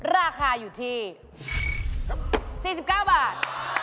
ราคาอยู่ที่๔๙บาท